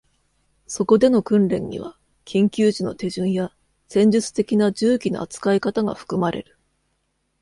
そこでの訓練には、緊急時の手順や戦術的な銃器の扱い方が含まれる。